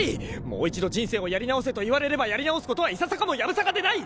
もう一度人生をやり直せと言われればやり直すことはいささかもやぶさかでない！